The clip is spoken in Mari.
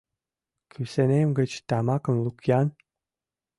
— Кӱсенем гыч тамакым лук-ян.